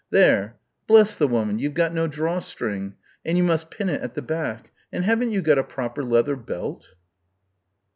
There.... Bless the woman, you've got no drawstring! And you must pin it at the back! And haven't you got a proper leather belt?"